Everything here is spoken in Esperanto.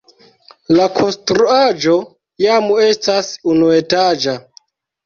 La konstruaĵo jam estas unuetaĝa.